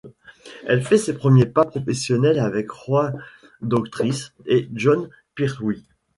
Elle fait ses premiers pas professionnels avec Roy Dotrice et Jon Pertwee.